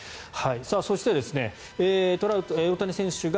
そして、大谷選手が